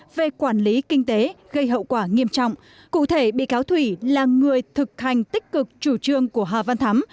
về quản lý kinh tế gây hậu quả nghiêm trọng cụ thể bị cáo thủy là người thực hành tích cực chủ trương của hà văn thắm